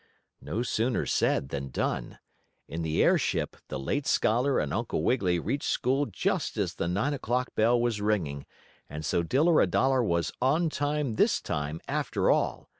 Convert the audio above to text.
No sooner said than done! In the airship the late scholar and Uncle Wiggily reached school just as the nine o'clock bell was ringing, and so Diller a Dollar was on time this time after all.